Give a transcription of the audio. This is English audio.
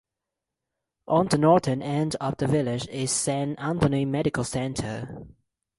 On the northern end of the village is Saint Anthony Medical Center.